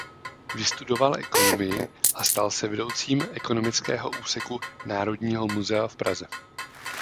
Vystudoval ekonomii a stal se vedoucím ekonomického úseku Národního muzea v Praze.